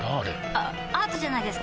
あアートじゃないですか？